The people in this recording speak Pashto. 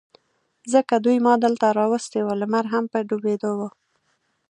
ځکه دوی ما دلته را وستي و، لمر هم په ډوبېدو و.